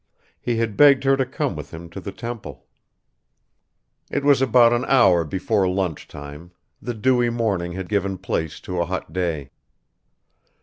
He had begged her to come with him to the temple. It was about an hour before lunchtime; the dewy morning had given place to a hot day.